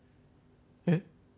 えっ？